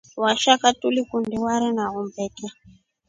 Vashaka tukundii warii wa umbeke.